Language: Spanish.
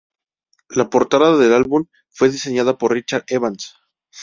La portada del álbum fue diseñada por Richard Evans.